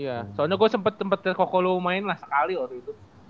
iya soalnya gue sempet tempet ke koko lu main lah sekali waktu itu